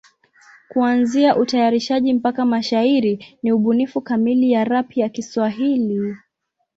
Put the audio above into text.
Kuanzia utayarishaji mpaka mashairi ni ubunifu kamili ya rap ya Kiswahili.